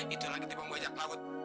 itulah ketipu bajak laut